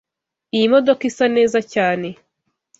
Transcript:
Iyi modoka isa neza cyane.